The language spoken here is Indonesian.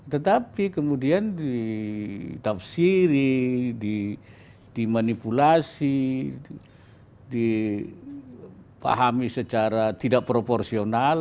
tetapi kemudian ditafsiri dimanipulasi dipahami secara tidak proporsional